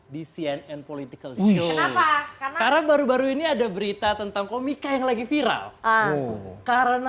di cnn political show karena baru baru ini ada berita tentang komika yang lagi viral karena